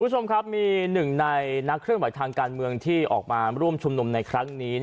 คุณผู้ชมครับมีหนึ่งในนักเคลื่อนไหวทางการเมืองที่ออกมาร่วมชุมนุมในครั้งนี้